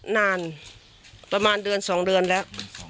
นานประมาณเดือน๒เดือนแล้ว